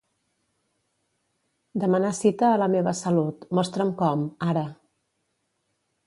Demanar cita a La meva salut, mostra'm com, ara.